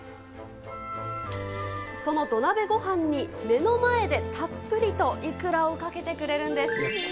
その土鍋ごはんに目の前でたっぷりといくらをかけてくれるんです。